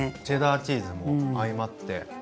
チェダーチーズも相まって。